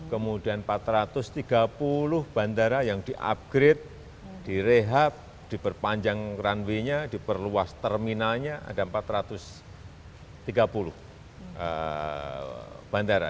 kemudian empat ratus tiga puluh bandara yang di upgrade direhab diperpanjang runway nya diperluas terminalnya ada empat ratus tiga puluh bandara